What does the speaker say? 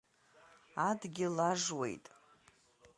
Адгьыл ажуеит.